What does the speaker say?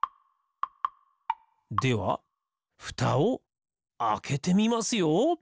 ではふたをあけてみますよ！